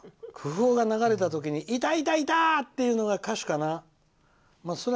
「工夫」が流れた時にいたいた！っていうのが歌手かな」。